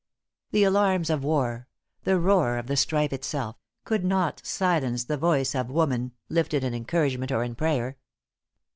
The alarms of war the roar of the strife itself, could not silence the voice of woman, lifted in encouragement or in prayer.